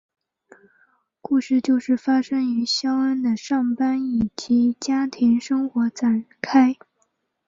故事就是发生于肖恩的上班以及家庭生活展开。